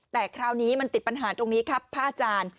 แต่คราวนี้มันติดปัญหาตรงนี้ครับพระอาจารย์